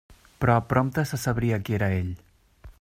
Però prompte se sabria qui era ell.